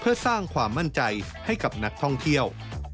เพื่อสร้างความมั่นใจให้กับนักท่องเที่ยว